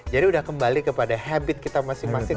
jadi udah kembali kepada habit kita masing masing